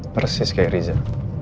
persis kayak rizal